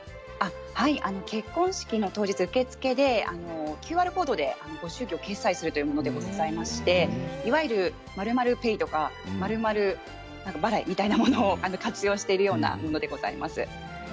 結婚式の当日、受付でＱＲコードでご祝儀を決済するというものでございまして、いわゆる○○ペイとか○○払いみたいなものを活用しているようなものでございます。